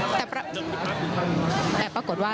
แต่ปรากฏว่า